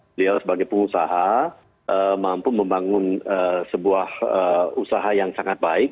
beliau sebagai pengusaha mampu membangun sebuah usaha yang sangat baik